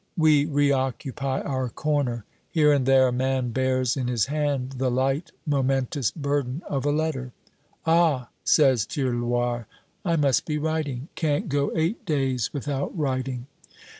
We reoccupy our corner. Here and there a man bears in his hand the light momentous burden of a letter. "Ah," says Tirloir, "I must be writing. Can't go eight days without writing."